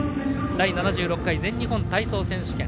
第７６回全日本体操選手権。